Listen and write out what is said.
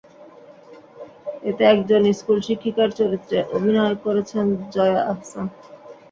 এতে একজন স্কুলশিক্ষিকার চরিত্রে অভিনয় করেছেন জয়া আহসান।